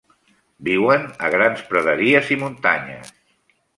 Viuen a grans praderies i muntanyes.